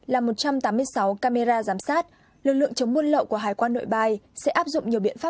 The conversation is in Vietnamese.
là một trăm tám mươi sáu camera giám sát lực lượng chống buôn lậu của hải quan nội bài sẽ áp dụng nhiều biện pháp